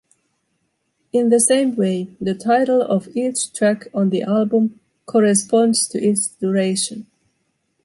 In the same way, the title of each track on the album corresponds to its duration.